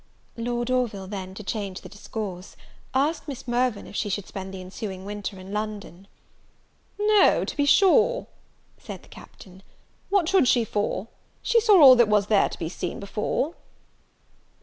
Lord Orville, then, to change the discourse, asked Miss Mirvan if she should spend the ensuing winter in London? "No, to be sure," said the Captain, "what should she for? She saw all that was to be seen before."